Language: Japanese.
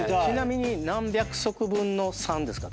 ちなみに何百足分の３？